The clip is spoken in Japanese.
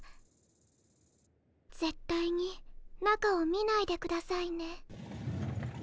ぜったいに中を見ないでくださいね。